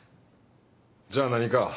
じゃあ何か？